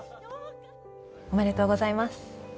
おめでとうございます。